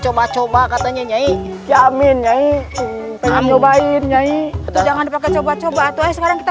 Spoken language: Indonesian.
coba coba katanya nyai kiamin nyai pengen cobain nyai jangan pakai coba coba atau sekarang kita